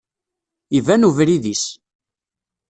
Iban ubrid-is.